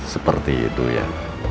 seperti itu ya